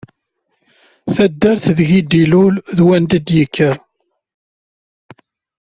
Taddart deg d-ilul d wanda d-yekker.